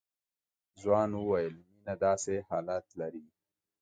ځوان وويل مينه داسې حالات لري.